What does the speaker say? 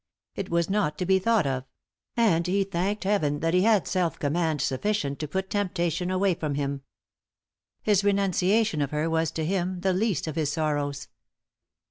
It was not to be thought of; and he thanked Heaven that he had self command sufficient to put temptation away from him. His renunciation of her was, to him, the least of his sorrows.